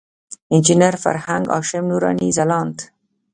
انجینر فرهنګ، هاشم نوراني، ځلاند.